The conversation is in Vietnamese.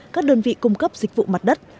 các đơn vị cung cấp dịch vụ mặt đất